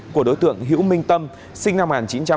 của đối tượng hiễu minh tâm sinh năm một nghìn chín trăm chín mươi một